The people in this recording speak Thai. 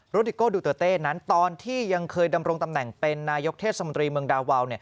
ดิโก้ดูเตอร์เต้นั้นตอนที่ยังเคยดำรงตำแหน่งเป็นนายกเทศมนตรีเมืองดาวาว